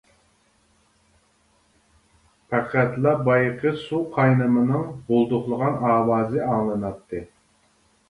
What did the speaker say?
پەقەتلا بايىقى سۇ قاينىمىنىڭ بۇلدۇقلىغان ئاۋازى ئاڭلىناتتى.